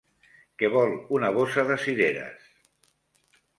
Que vol una bossa de cireres!